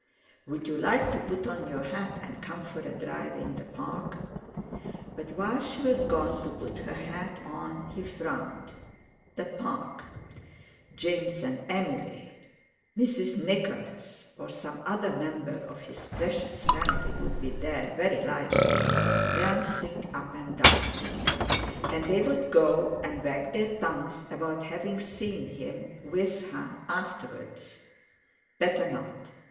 "Would you like to put on your hat and come for a drive in the Park?" But while she was gone to put her hat on, he frowned. The Park! James and Emily! Mrs. Nicholas, or some other member of his precious family would be there very likely, prancing up and down. And they would go and wag their tongues about having seen him with her, afterwards. Better not!